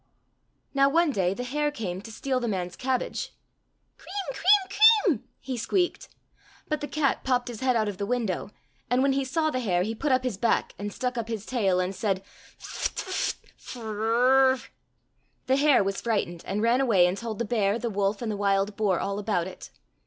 Now one day the hare came to steal the man's cabbage. '* Kreem kreem kreem !" he squeaked. But the cat popped his head out of the window, and when he saw the hare, he put up his back and stuck up his tail and said, " Ft t t t t Frrrrrrr !" The hare was frightened and ran away and told the* bear, the wolf, and the wild boar all about it.